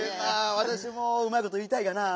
わたしもうまいこといいたいがなぁ。